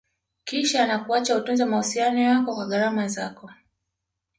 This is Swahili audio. kisha yanakuacha utunze mahusiano yako kwa gharama zako